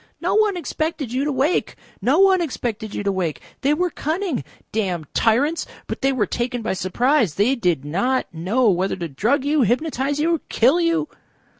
"No one expected you to wake. No one expected you to wake. They were cunning. Damned tyrants! But they were taken by surprise. They did not know whether to drug you, hypnotise you, kill you."